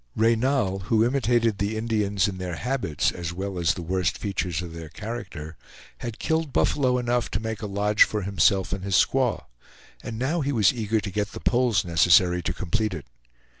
Reynal, who imitated the Indians in their habits as well as the worst features of their character, had killed buffalo enough to make a lodge for himself and his squaw, and now he was eager to get the poles necessary to complete it.